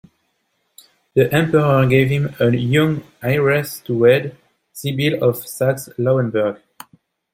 The Emperor gave him a young heiress to wed, Sibylle of Saxe-Lauenburg.